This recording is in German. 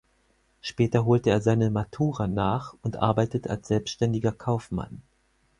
Später holte er seine Matura nach und arbeitet als selbständiger Kaufmann.